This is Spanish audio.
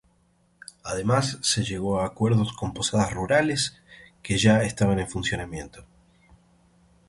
Además, se llegó a acuerdos con posadas rurales que ya estaban en funcionamiento.